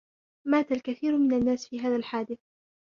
مات الكثير من الناس في هذا الحادث.